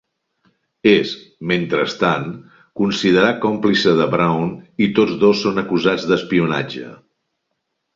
És, mentrestant, considerat còmplice de Brown i tots dos són acusats d'espionatge.